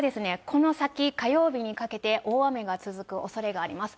この先、火曜日にかけて大雨が続くおそれがあります。